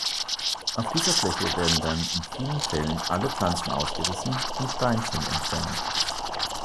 Auf dieser Fläche werden dann in vielen Fällen alle Pflanzen ausgerissen und Steinchen entfernt.